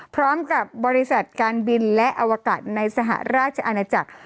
พร้อมกับบริษัทการบินและอวกาศในสหราชอาณาจักร